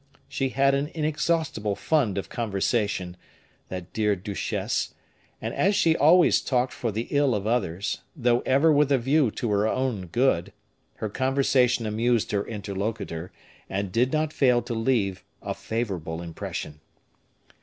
She had an inexhaustible fund of conversation, that dear duchesse, and as she always talked for the ill of others, though ever with a view to her own good, her conversation amused her interlocutor, and did not fail to leave a favorable impression.